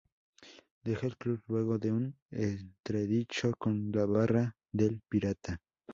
Deja el club luego de un entredicho con la "barra" del "Pirata".